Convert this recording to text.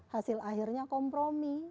hasil akhirnya kompromi